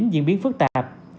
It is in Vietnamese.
diễn biến phức tạp